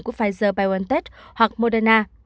của pfizer biontech hoặc moderna